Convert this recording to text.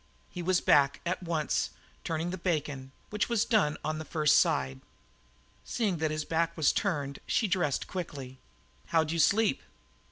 He was back at once, turning the bacon, which was done on the first side. Seeing that his back was turned, she dressed quickly. "How'd you sleep?"